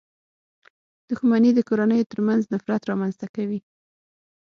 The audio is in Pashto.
• دښمني د کورنيو تر منځ نفرت رامنځته کوي.